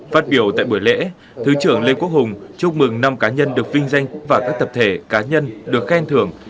phát biểu tại buổi lễ thứ trưởng lê quốc hùng chúc mừng năm cá nhân được vinh danh và các tập thể cá nhân được khen thưởng